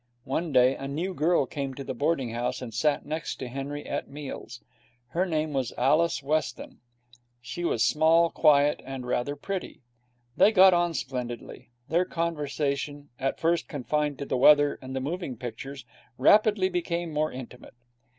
One day a new girl came to the boarding house, and sat next to Henry at meals. Her name was Alice Weston. She was small and quiet, and rather pretty. They got on splendidly. Their conversation, at first confined to the weather and the moving pictures, rapidly became more intimate.